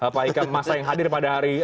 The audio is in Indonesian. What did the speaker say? pak ikan masa yang hadir pada hari